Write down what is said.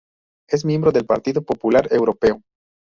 Es miembro del Partido Popular Europeo.